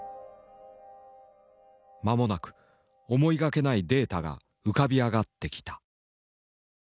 間もなく思いがけないデータが浮かび上がってきた。